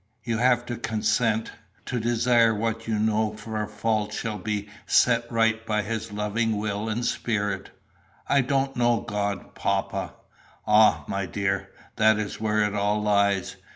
You have to consent, to desire that what you know for a fault shall be set right by his loving will and spirit." "I don't know God, papa." "Ah, my dear, that is where it all lies.